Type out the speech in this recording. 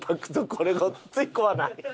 これごっつい怖ない？